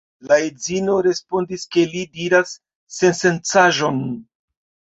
La edzino respondis, ke li diras sensencaĵon.